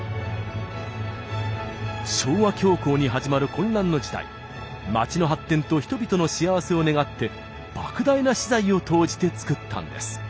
昭和恐慌に始まる混乱の時代街の発展と人々の幸せを願って莫大な私財を投じて作ったんです。